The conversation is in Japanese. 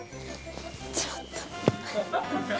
ちょっと。